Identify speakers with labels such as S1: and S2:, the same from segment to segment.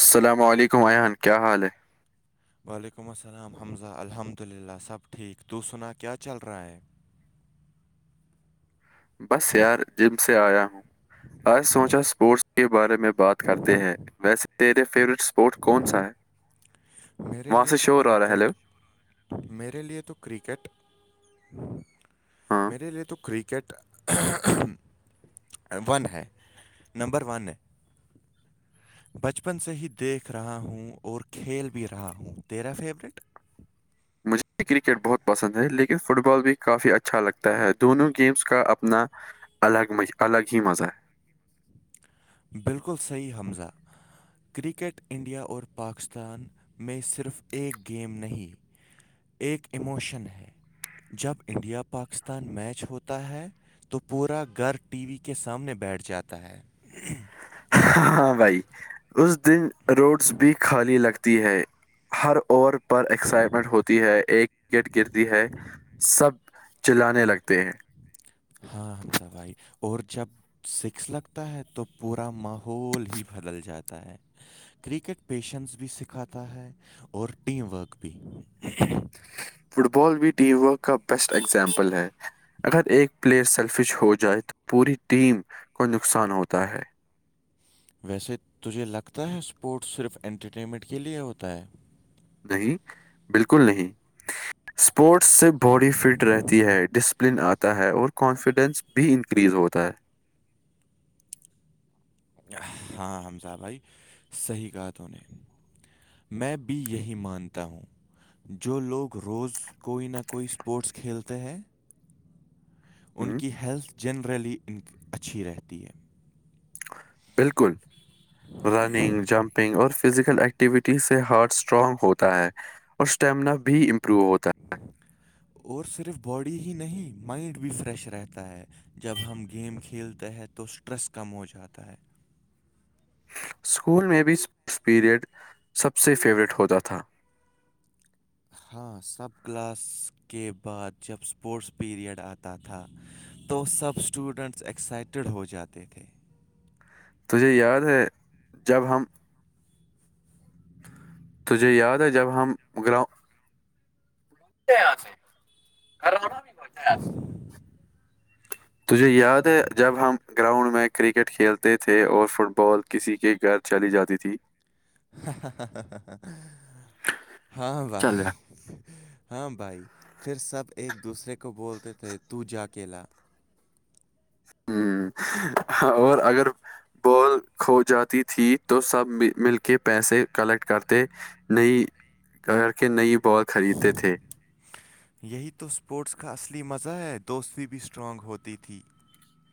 S1: السلام علیکم ایان کیا حال ہے
S2: وعلیکم السلام حمزہ الحمد للہ سب ٹھیک تو سنا کیا چل رہا ہے
S1: بس یار جم سے آیا ہوں آج سوچا اسپورٹس کے بارے میں بات کرتے ہیں ویسے تے فیور اسپورٹ کون سا ہے
S2: میرے
S1: وہاں
S2: لیے
S1: سے
S2: تو
S1: شور آ رہا ہے ہیلو
S2: کرکٹ میرے لیے تو کرکٹ
S1: ہاں
S2: میرے لیے تو کرکٹ ون ہے نمبر ون ہے بچپن سے ہی دیکھ رہا ہوں اور کھیل بھی رہا ہوں تیرا فیوریٹ
S1: مجھے کرکٹ بہت پسند ہے لیکن فٹ بال بھی کافی اچھا لگتا ہے دونوں گیمس کا اپنا الگ مھ الگ ہی مزہ
S2: بالکل صحی حمزہ کرکٹ انڈیا اور پاکستان میں صرف ایک گیم نہیں ایک اموشن ہے جب انڈیا پاکستان میچ ہوتا ہے تو پورا گھر ٹی وی کے سامنے بیٹھ جاتا ہے
S1: ہاں بھائی اس دن روڈس بھی خالی لگتی ہے ہر اوور پر ایکسائٹمنٹ ہوتی ہے ایک وکٹ گرتی ہے سب چلانے لگتے ہیں
S2: ہاں حمزہ بھائی اور جب سکس لگتا ہے تو پورا ماحول ہی بدل جاتا ہے کرکٹ پیشنس بھی سکھاتا ہے اور ٹیم ورک بھی
S1: فٹ بال بھی ٹیم ورک کا بیسٹ اگزامپل ہے اگر ایک پلیئر سیلفش ہو جائے تو پوری ٹیم کو نقصان ہوتا ہے
S2: ویسے تجھے لگتا ہے اسپورٹس صرف انٹرٹینمنٹ کے لیے ہوتا ہے
S1: نہیں بالکل نہیں اسپورٹس سے باڈی فٹ رہتی ہے ڈسپلن آتا ہے اور کانفیڈینس بھی انکریز ہوتا ہے
S2: ہاں حمزاہ بھائی صحیح کہا تو نے میں بھی یہی مانتا ہوں جو لوگ روز کوئی نہ کوئی اسپورٹس کھیلتے ہیں ان
S1: ہ
S2: کی ہیلتھ جنرلی اچھی رہتی ہے
S1: بالکل رننگ جمپنگ اور فزیکل ایکٹیویٹی سے ہارٹ اسٹرانگ ہوتا ہے اور اسٹیمنا بھی امپروو ہوتا ہے
S2: اور صرف باڈی ہی نہیں مائنڈ بھی فریش رہتا ہے جب ہم گیم کھیلتے ہیں تو اسٹریس کم ہو جاتا ہے
S1: اسکول میں بھی اسپورٹس پیریڈ سب سے فیوریٹ ہوتا تھا
S2: ہاں سب کلاس کے بعد جب اسپورٹس پیریڈ آتا تھا تو سب اسٹوڈنٹس ایکسائٹیڈ ہو جاتے تھے
S1: تجھے یاد ہے جب ہم تجھے یاد ہے جب ہم گراؤ آ سے آرام
S2: ف
S1: تجھے یاد ہے جب ہم گراؤنڈ میں کرکٹ کھیلتے تھے اور فٹ بال کسی کے گھر چلی جاتی تھی
S2: ہاں بھائی
S1: چل رہا
S2: ہاں بھائی پھر سب ایک دوسرے کو بولتے تھے تو جاکیلاا
S1: ہوں اور اگر بال کھو جاتی تھی تو سب مل کے پیسے کلیکٹ کرتے نئی کر کے نئی بال خریدتے تھے
S2: یہی تو اسپورٹس کا اصلی مزہ ہے دوست بھی اسٹرانگ ہوتی تھی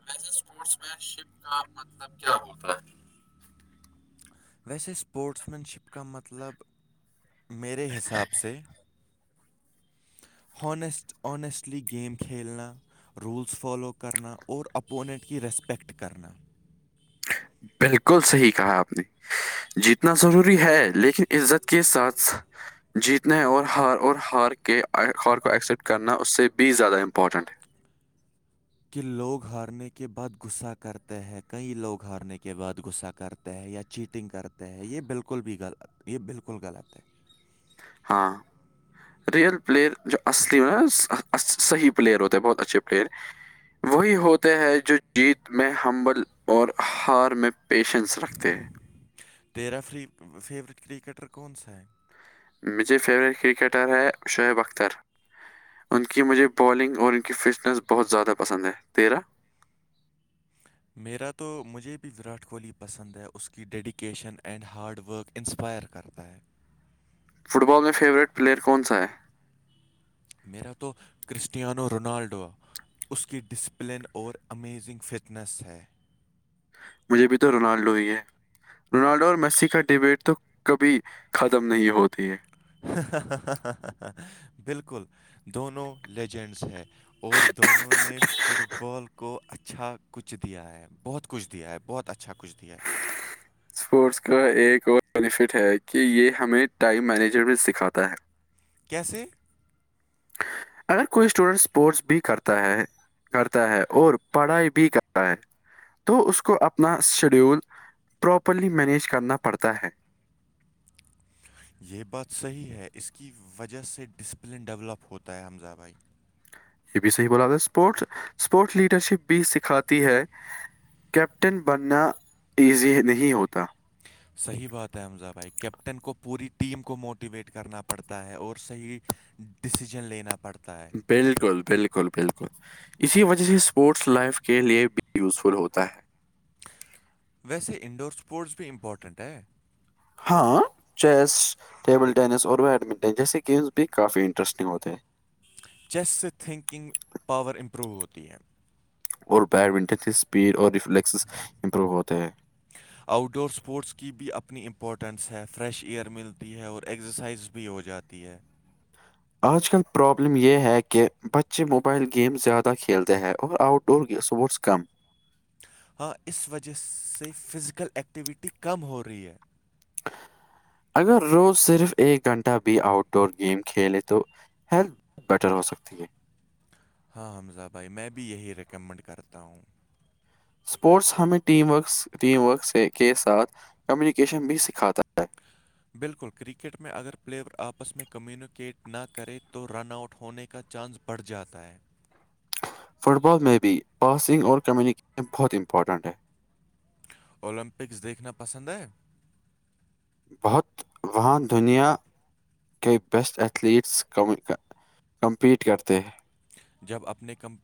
S1: ای اسپٹ م شپ کا مطلب کیا ہوتا ہے
S2: ویسے اسپورٹس مینشپ کا مطلب میرے حساب سے ہانسٹ آنیسٹلی گیم کھیلنا رولس فالو کرنا اور اپوننٹ کی ریسپیکٹ کرنا
S1: بالکل صحیح کہا آپ نے جیتنا ضروری ہے لیکن عزت کے ساتھ جیتنے اور ہار اور ہار کے ہار کو ایکسیپٹ کرنا اس سے بھی زیادہ امپورٹنٹ ہے
S2: کہ لوگ ہارنے کے بعد غصہ کرتے ہیں کئی لوگ ہارنے کے بعد غصہ کرتے ہے یا چیٹنگ کرتے ہیں یہ بالکل بھی غلط یہ بالکل غلط ہے
S1: ہاں ریئل پلیئر جو اصلی صحیح پلیئر ہوتے ہیں بہت اچھے پلیئر وہی ہوتے ہے جو جیت میں حنبل اور ہار میں پیشنس رکھتے ہیں
S2: تیرا فیوریٹ کرکٹر کون سا ہے
S1: مجھے فیوریٹ کرکٹر ہے شعیب اختر ان کی مجھے بالنگ اور ان کی فٹنس بہت زیادہ پسند ہے تیرہ
S2: میرا تو مجھے بھی وراٹ کوہلی پسند ہے اس کی dedication and hard work inspire کرتا ہے
S1: فٹ بال میں فیوریٹ پلیئر کون سا ہے
S2: میرا تو کرسٹییاانو روونالڈو آ اس کی ڈسپلن اور امیزنگ فٹنس ہے
S1: مجھے بھی تو رونالڈو ہی ہے رونالڈو اور میسی کا ڈبیٹ تو کبھی ختم نہیں ہوتی ہے
S2: بالکل دونوں لیجنڈس ہے اور دونوں نے فٹ بال کو اچھا کچھ دیا ہے بہت کچھ دیا ہے بہت اچھا کچھ دیا ہے
S1: اسپورٹس کا ایک اور بینیفٹ ہے کہ یہ ہمیں ٹائم مینیجرمٹ سکھاتا ہے
S2: کیسے
S1: اگر کوئی اسٹوڈنٹ اسپورٹس بھی کرتا ہے کرتا ہے اور پڑھائی بھی کرتا ہے تو اس کو اپنا شیڈیول پراپرلی مینیج کرنا پڑتا ہے
S2: یہ بات صحیح ہے اس کی وجہ سے ڈسپلن ڈیولپ ہوتا ہے حمزہ بھائی
S1: یہ بھی صح بولا د اسپورٹ اسپورٹس لیڈر شپ بھی سکھاتی ہے کیپٹن بننا ایزی نہیں ہوتا
S2: س صحیح بات ہے حمزہ بھائی کیپٹن کو پوری ٹیم کو موٹیویٹ کرنا پڑتا ہے اور صحیح ڈسیژن لینا پڑتا ہے
S1: بالکل بالکل بالکل اسی وجہ سے اسپورٹس لائف کے لیے بھی یوزفل ہوتا ہے
S2: ویسے انڈور اسپورٹس بھی امپورٹنٹ ہے
S1: ہاں چیس ٹیبل ٹینس اور بیڈمنٹن جیسے گیمس بھی کافی انٹرسٹنگ ہوتے ہیں
S2: چیسٹ سے تھنکنگ پاور امپروو ہوتی ہے
S1: اور بیڈمنٹن کی اسپیڈ اور ریفلیکس امپروو ہوتے ہیں
S2: آؤٹ ڈور اسپورٹس کی بھی اپنی امپورٹنس ہے فریش ایئر ملتی ہے اور ایکسرسائز بھی ہو جاتی ہے
S1: آج کل پرابلم یہ ہے کہ بچے موبائل گیم زیادہ کھیلتے ہیں اور آؤٹ ڈور س اسپورٹس کام
S2: ہاں اس وجہ سے فزیکل ایکٹیویٹی کم ہو رہی ہے
S1: اگر روز صرف ایک گھنٹہ بھی آؤٹ ڈور گیم کھیلے تو ہیلتھ بیٹر ہو سکتی ہے
S2: ہاں حمزہ بھائی میں بھی یہی ریکمنڈ کرتا ہوں
S1: اسپورٹس ہمیں ٹیم ورکس ٹیم ورک کے ساتھ کمیونیکیشن بھی سکھاتا ہے
S2: بالکل کرکٹ میں اگر پلیئر آپس میں کمیونکیٹ نہ کریں تو رن آؤٹ ہونے کے کا چانس بڑھ جاتا ہے
S1: فٹ بال میں بھی پاسنگ اور کمیونیکیشن بہت امپورٹنٹ ہے
S2: اولمپکس دیکھنا پسند ہے
S1: بہت وہاں دنیا کے بیسٹ ایتھلیٹس کمپیٹ کرتے ہیں
S2: جب اپنی کم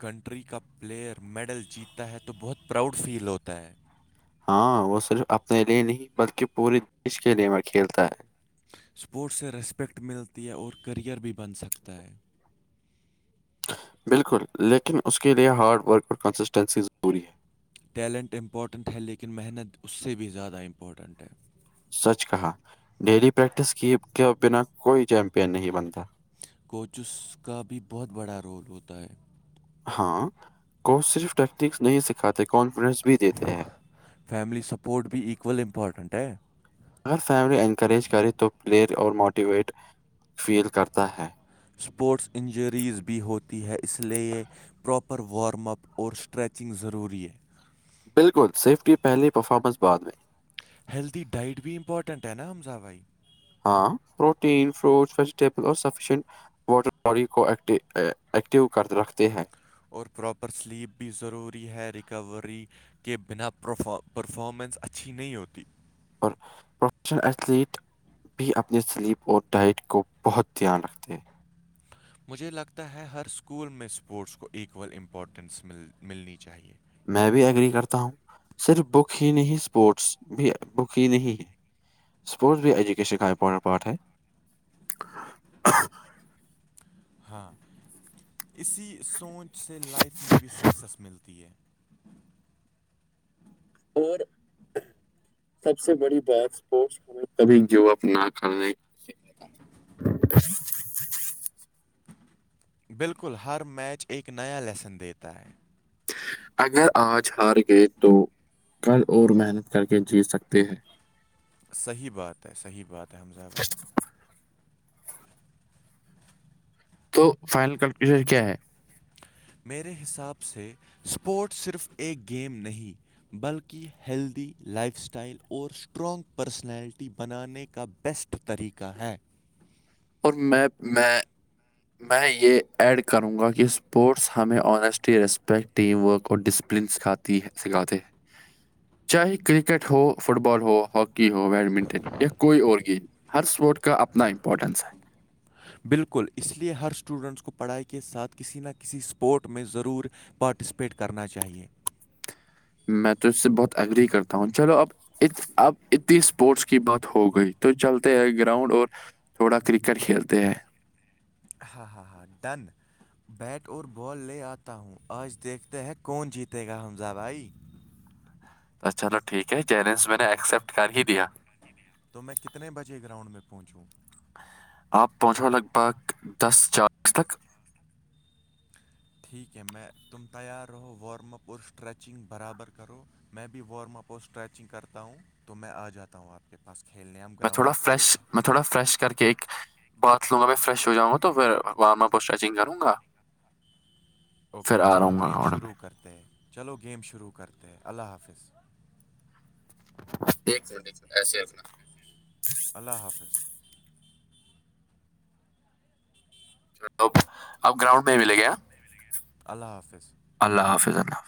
S2: کنٹری کا پلیئر میڈل جیتتا ہے تو بہت پراؤڈ فیل ہوتا ہے
S1: ہاں وہ صرف اپنے لیے نہیں بلکہ پورے دیش کے لیے میں کھیلتا ہے
S2: اسپورٹس سے رسپیکٹ ملتی ہے اور کیرییئر بھی بن سکتا ہے
S1: بالکل لیکن اس کے لئے ہارڈ ورک اور کنسسٹنسی ضروری ہے
S2: ٹیلنٹ امپورٹنٹ ہے لیکن محنت اس سے بھی زیادہ امپورٹنٹ ہے
S1: سچ کہا ڈیلی پریکٹس کی کے بنا کوئی چیمپئن نہیں بنتا
S2: کوچز کا بھی بہت بڑا رول ہوتا ہے
S1: ہاں کو صرف ٹیکنکس نہیں سکھاتے کانفیڈنس بھی دیتے ہیں
S2: فیملی سپورٹ بھی ایکوول امپورٹنٹ ہے
S1: اگر فیملی انکریج کرے تو پلیئر اور موٹیویٹ فیل کرتا ہے
S2: اسپورٹس انجریز بھی ہوتی ہے اس لیے پراپر پر وارم اپ اور اسٹریچنگ ضروری ہے
S1: بالکل سیف کی پہلی پرفارمنس بعد میں
S2: ہیلدی ڈائٹ بھی امپورٹنٹ ہے نا حمزا بھائی
S1: ہاں پروٹین فروٹس ویجیٹیبل اور سفیشنٹ ووٹر باڈی کو ایک ایکٹیو کر رکھتے ہیں [inaudible]
S2: اور پراپر سلیپ بھی ضروری ہے ریکوری کے بنا پرفار پرفارمنس اچھی نہیں ہوتی
S1: اور پروفیشنل ایتھلیٹ [inaudible] بھی اپنے سلیپ اور ڈائٹ کو بہت دھیان رکھتے ہیں
S2: مجھے لگتا ہے ہر اسکول میں اسپورٹس کو ایکول امپورٹینس مل ملنی چاہیے
S1: میں بھی ایگری کرتا ہوں صرف بک ہی نہیں اسپورٹس بھی بک ہی نہیں ہے اسپورٹس بھی ایجوکیشن کا امپٹ پارٹ ہے
S2: [inaudible] ہاں اسی سوچ سے لائف میں بھی سکسیس ملتی ہے
S1: اور سب سے بڑی بات اسپورٹس کبھی جو اپنا کلنے
S2: [inaudible] بالکل ہر میچ ایک نیا لیسن دیتا ہے
S1: اگر آج ہار گئے تو کل اور محنت کر کے جیت سکتے ہیں
S2: صحیح بات ہے صحیح بات ہے حمزہ بھائی
S1: تو فائنل کل کے لیے کیا ہے
S2: میرے حساب سے اسپورٹس صرف ایک گیم نہیں بلکہ ہیلدی لائف سٹائل اور اسٹرانگ پرسنالٹی بنانے کا بیسٹ طریقہ ہے
S1: اور میں میں میں یہ ایڈ کروں گا کہ اسپورٹس ہمیں آونیسٹی رسپیکٹ ٹیم ورک اور ڈسپلن سکھاتی سکھاتے ہیں
S2: [inaudible]
S1: چاہے کرکٹ ہو فٹ بال ہو ہاکی ہو بیڈمنٹن یا کوئی اور گیم ہر سپوٹ کا اپنا امپورٹنس ہے
S2: ہاں [inaudible] بالکل اس لیے ہر اسٹوڈنٹس کو پڑھائی کے ساتھ کسی نہ کسی اسپورٹ میں ضرور پارٹسپیٹ کرنا چاہیے
S1: میں تو اس سے بہت ایگری کرتا ہوں چلو اب اب اتنی اسپورٹس کی بات ہو گئی تو چلتے ہیں گراؤنڈ اور تھوڑا کرکٹ کھیلتے ہیں
S2: ہاں ہاں ہاں ڈن بیٹ اور بال لے آتا ہوں آج دیکھتے ہیں کون جیتے گا حمزہ بھائی
S1: ا چلو ٹھیک ہے چیلنج میں نے ایکسپٹ کر ہی دیا
S2: تو میں کتنے بجے گراؤنڈ میں پہنچوں
S1: آپ پہنچو لگ بھگ دس چالیس تک
S2: ٹھیک ہے میں تم تیار رہو وارم اپ اور اسٹریچنگ برابر کرو میں بھی وارم اپ اور اسٹریچنگ کرتا ہوں تو میں آ جاتا ہم آپ کے پاس کھیلنے ہم گراؤنڈ
S1: تھوڑا
S2: میں
S1: فریش
S2: کھیلتے ہیں
S1: میں تھوڑا فریش کر کے ایک باتھ روم ا میں فریش ہو جاؤ گا تو پھر وارم اپ اور اسٹریچنگ کروں گا پھر
S2: اوکے
S1: ا رہا
S2: چلو
S1: ہوں میں
S2: گیم
S1: لوٹ پے
S2: شروع کرتے ہیں چلو گیم شروع کرتے ہیں اللہ حافظ
S1: ایک منٹ ایک منٹ ایسے ہےنا
S2: اللہ حافظ
S1: مطلب اب گراؤنڈ میں ہی ملے گیا
S2: اللہ حافظ
S1: اللہ حافظ اللہ